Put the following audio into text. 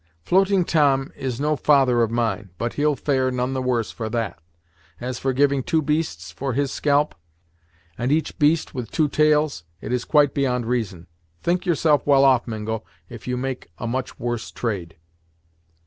"Floating Tom is no father of mine, but he'll fare none the worse for that. As for giving two beasts for his scalp, and each beast with two tails, it is quite beyond reason. Think yourself well off, Mingo, if you make a much worse trade."